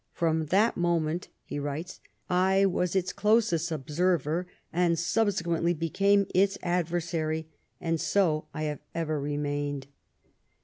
*^ From that moment," he writes, " I was its closest observer, and subsequently became its adversary ; and so I have ever remained."